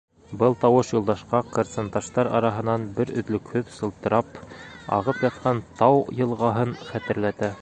Был тауыш Юлдашҡа ҡырсынташтар араһынан бер өҙлөкһөҙ сылтырап ағып ятҡан тау йылғаһын хәтерләтә.